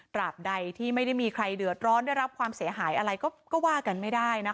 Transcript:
ก็เป็นเรื่องของความเชื่อความศรัทธาเป็นการสร้างขวัญและกำลังใจ